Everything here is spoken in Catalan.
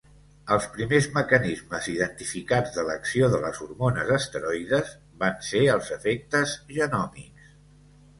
Els primers mecanismes identificats de l'acció de les hormones esteroides van ser els efectes genòmics.